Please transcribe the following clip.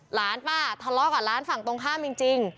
หลานป้าทะเลาะกับร้านฝั่งตรงข้ามจริง